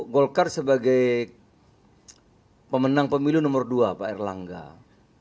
jadi mana teman dalam olcamera berkeley siapa dengan